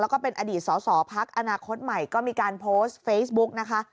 แล้วก็เป็นอดีตสอสอพักอนาคตใหม่ก็มีการโพสต์เฟซบุ๊กนะคะ